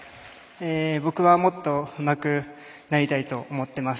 僕はもっとうまくなりたいと思っています。